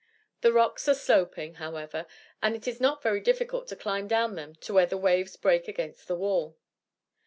The rocks are sloping, however, and it is not very difficult to climb down them to where the waves break against the wall.